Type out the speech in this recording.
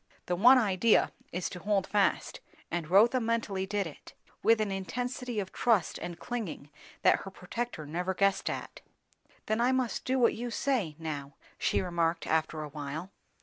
The one idea is to hold fast; and Rotha mentally did it, with an intensity of trust and clinging that her protector never guessed at. "Then I must do what you say, now?" she remarked after a while.